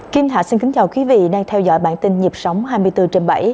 kim hạ xin kính chào quý vị đang theo dõi bản tin nhịp sống hai mươi bốn trên bảy